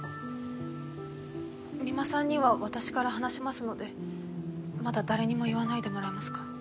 三馬さんには私から話しますのでまだ誰にも言わないでもらえますか？